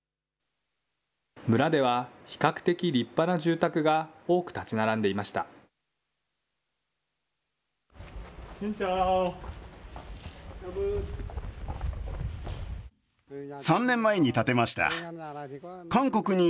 村では、比較的立派な住宅が多く建ち並んでいました。